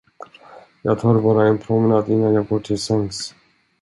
Jag tar bara en promenad, innan jag går till sängs.